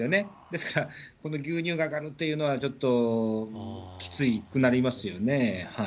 ですから、その牛乳が上がるというのは、ちょっときつくなりますよね。